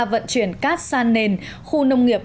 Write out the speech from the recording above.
vận chuyển cát san nền khu nông nghiệp